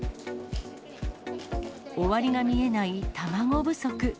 終わりが見えない卵不足。